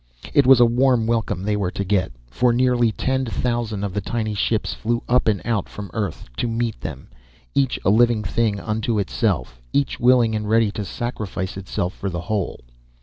It was a warm welcome they were to get, for nearly ten thousand of the tiny ships flew up and out from Earth to meet them, each a living thing unto itself, each willing and ready to sacrifice itself for the whole.